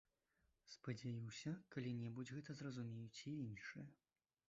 Спадзяюся, калі-небудзь гэта зразумеюць і іншыя.